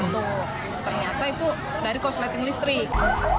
ternyata itu dari korsleting listrik